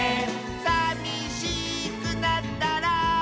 「さみしくなったら」